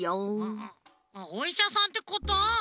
おいしゃさんってこと？